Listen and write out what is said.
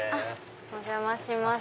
お邪魔します。